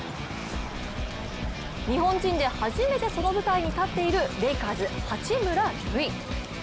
日本人で初めてその舞台に立っているレイカーズ・八村塁。